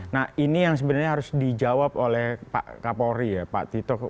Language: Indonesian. nah ini yang sebenarnya harus dijawab oleh pak kapolri ya pak tito